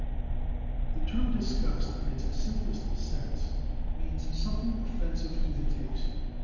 The term 'disgust,' in its simplest sense, means something offensive to the taste.